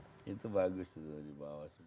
itu bagus itu